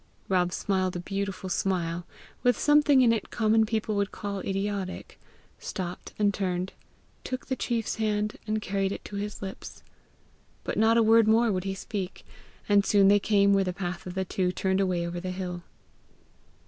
Rob smiled a beautiful smile with something in it common people would call idiotic stopped and turned, took the chief's hand, and carried it to his lips; but not a word more would he speak, and soon they came where the path of the two turned away over the hill.